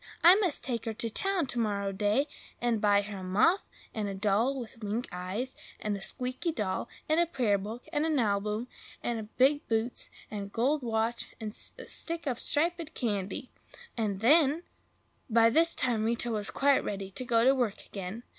I must take her to town to morrow day, and buy her a muff, and a doll with wink eyes, and a squeaky dog, and a prayer book, and a nalbum, and big boots, and a gold watch and a stick of striped candy! and then—" But by this time Rita was quite ready to go to work again.